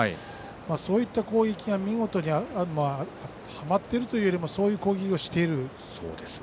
そういった攻撃が見事にはまっているというよりそういう攻撃をしている。